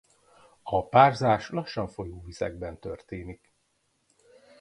A párzás lassan folyó vizekben történik.